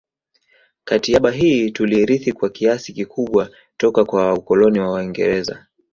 Katiaba hii tuliirithi kwa kiasi kikubwa toka kwa ukoloni wa waingereza